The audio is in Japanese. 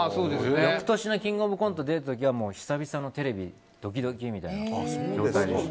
翌年の「キングオブコント」出る時はもう、久々のテレビでドキドキみたいな状態です。